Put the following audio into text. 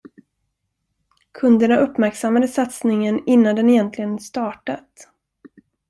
Kunderna uppmärksammade satsningen innan den egentligen startat.